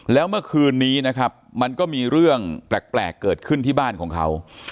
แล้วเมื่อคืนนี้นะครับมันก็มีเรื่องแปลกเกิดขึ้นที่บ้านของเขา